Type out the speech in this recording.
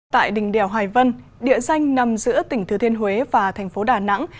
tại đỉnh đèo hoài vân địa danh nằm giữa tỉnh thừa thiên huế và thành phố đà nẵng